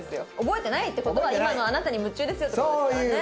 覚えてないって事は今のあなたに夢中ですよって事ですからね。